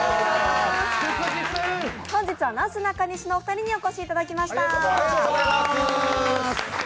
本日はなすなかにしのお二人にお越しいただきました。